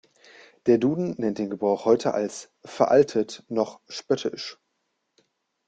Der Duden nennt den Gebrauch heute als „veraltet, noch spöttisch“.